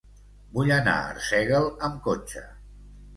Vull anar a Arsèguel amb cotxe.